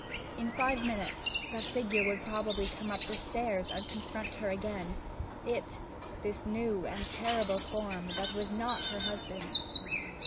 In five minutes that figure would probably come up the stairs and confront her again; it, this new and terrible form, that was not her husband's.